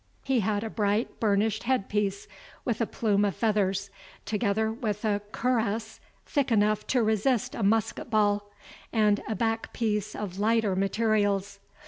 He had a bright burnished head piece, with a plume of feathers, together with a cuirass, thick enough to resist a musket ball, and a back piece of lighter materials.